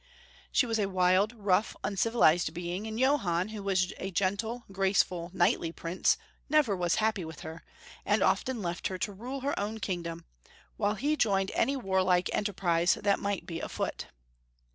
She was a wild, rough, uncivilized being, and Johann, who was a gentle, graceful, knightly prince, nevet was happy with her, and often left her to rule her own kingdom, wliile he joined any warlike enterprise that might be afoot.